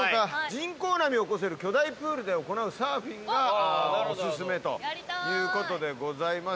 人工波を起こせる巨大プールで行うサーフィンがおすすめということでございまして。